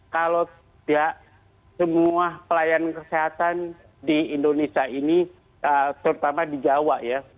kalau tidak semua pelayanan kesehatan di indonesia ini terutama di jawa ya